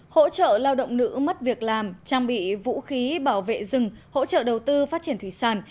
hỗ trợ lao động nữ mất việc làm trang bị vũ khí bảo vệ rừng hỗ trợ đầu tư phát triển thủy sản